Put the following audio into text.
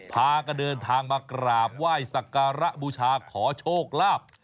พากันเดินทางมากราบไหว้สักการะบูชาขอโชคลาภ